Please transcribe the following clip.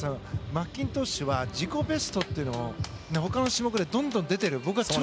マッキントッシュは自己ベストというのをほかの種目でどんどん出てる。